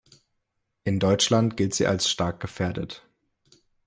In Deutschland gilt sie als stark gefährdet.